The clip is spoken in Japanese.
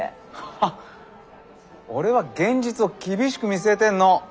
ハッ俺は現実を厳しく見据えてんの。